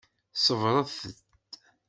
Ṣebbṛet-t.